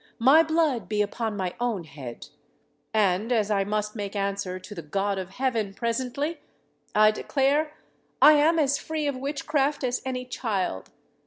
My blood be upon my own head. And, as I must make answer to the God of heaven presently, I declare I am as free of witchcraft as any child.